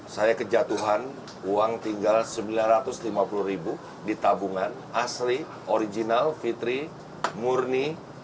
saya kejatuhan uang tinggal rp sembilan ratus lima puluh ditabungan asri original fitri murni